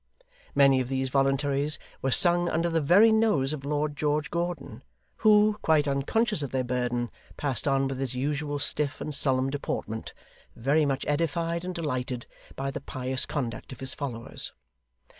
Many of these voluntaries were sung under the very nose of Lord George Gordon, who, quite unconscious of their burden, passed on with his usual stiff and solemn deportment, very much edified and delighted by the pious conduct of his followers.